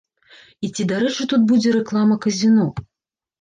І ці дарэчы тут будзе рэклама казіно?